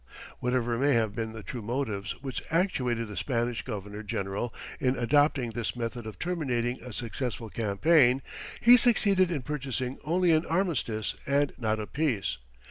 Whatever may have been the true motives which actuated the Spanish governor general in adopting this method of terminating a successful campaign, he succeeded in purchasing only an armistice and not a peace.